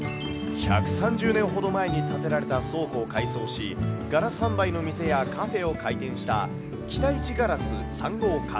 １３０年ほど前に建てられた倉庫を改装し、ガラス販売の店やカフェを開店した北一硝子三号館。